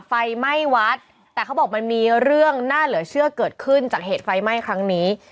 ไฟไหม้วัดแต่เขาบอกมันมีเรื่องน่าเหลือเชื่อเกิดขึ้นจากเหตุไฟไหม้ครั้งนี้